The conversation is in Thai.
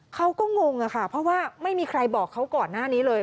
งงค่ะเพราะว่าไม่มีใครบอกเขาก่อนหน้านี้เลย